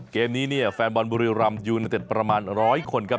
เกมนี้เนี่ยแฟนบอลบุรีรำยูเนตเต็ดประมาณร้อยคนครับ